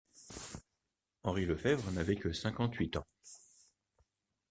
Henri Lefèvre n'avait que cinquante-huit ans.